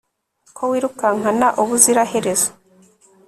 Ko wirukankana ubuziraherezo